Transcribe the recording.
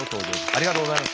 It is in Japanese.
ありがとうございます